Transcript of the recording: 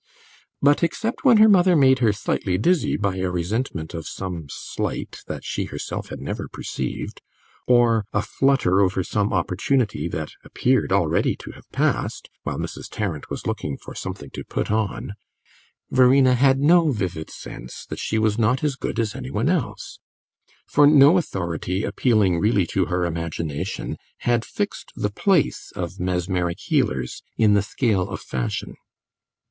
But except when her mother made her slightly dizzy by a resentment of some slight that she herself had never perceived, or a flutter over some opportunity that appeared already to have passed (while Mrs. Tarrant was looking for something to "put on"), Verena had no vivid sense that she was not as good as any one else, for no authority appealing really to her imagination had fixed the place of mesmeric healers in the scale of fashion.